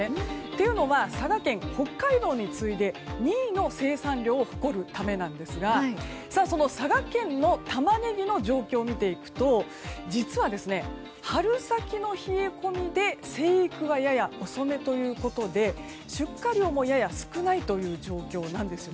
というのは、佐賀県北海道に次いで２位の生産量を誇るためなんですがその佐賀県のタマネギの状況を見ていくと実は春先の冷え込みで生育はやや遅めということで出荷量もやや少ないという状況なんです。